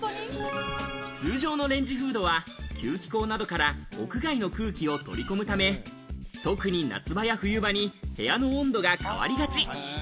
通常のレンジフードは給気口などから屋外の空気を取り込むため、特に夏場や冬場に部屋の温度が変わりがち。